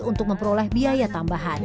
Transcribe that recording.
untuk memperoleh biaya tambahan